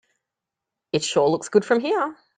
It sure looks good from here.